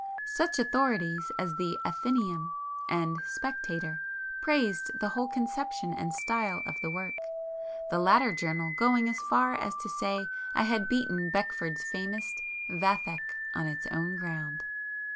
Such authorities as the "Athenaeum" and "Spectator" praised the whole conception and style of the work, the latter journal going as far as to say that I had beaten Beckford's famous "Vathek" on its own ground.